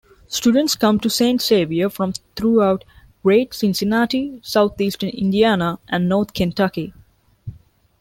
Students come to Saint Xavier from throughout Greater Cincinnati, Southeastern Indiana, and Northern Kentucky.